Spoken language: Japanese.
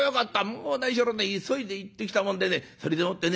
「もう何しろね急いで行ってきたもんでねそれでもってね